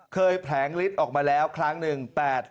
แผลงฤทธิ์ออกมาแล้วครั้งหนึ่ง